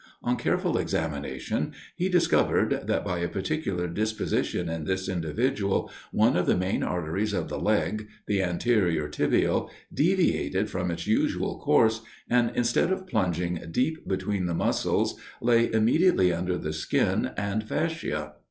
On careful examination he discovered that, by a particular disposition in this individual, one of the main arteries of the leg (the anterior tibial) deviated from its usual course, and instead of plunging deep between the muscles, lay immediately under the skin and fascia.